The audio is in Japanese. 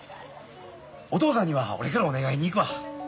お父さんには俺からお願いに行くわ。